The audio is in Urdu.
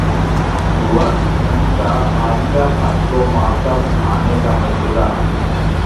ورن دھون کا عالیہ بھٹ کو معاوضہ بڑھانے کا مشورہ